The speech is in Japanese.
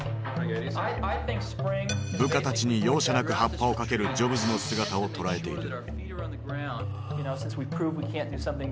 部下たちに容赦なくハッパをかけるジョブズの姿を捉えている。